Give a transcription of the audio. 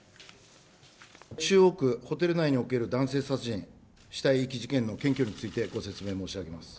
中央区ホテル内における男性殺人、死体遺棄事件の検挙についてご説明を申し上げます。